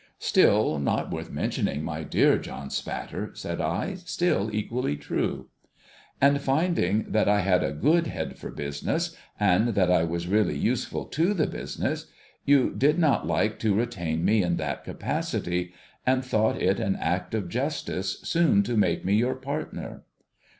' Still not worth mentioning, my dear John Spatter,' said I ;' still, equally true.' ' And finding that I had a good head for business, and that I was really useful fo the business, you did not like to retain me in 32 THE POOR RELATION'S STORY that capacity, and thought it an act of justice soon to make me your partner.'